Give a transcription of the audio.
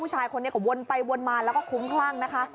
ผู้ชายคนนี้ก็วนไปวนมาแล้วก็คุ้มคลั่งนะคะ